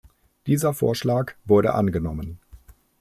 Dieser Vorschlag wurde angenommen.